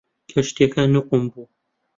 کەشتیەکە نوقم بوو.